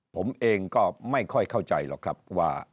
ผมเองก็ไม่ค่อยเข้าใจหรอกครับว่า